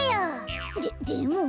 ででも。